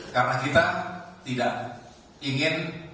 karena kita tidak ingin